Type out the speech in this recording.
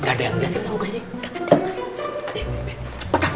eh gak ada yang nanti mau kesini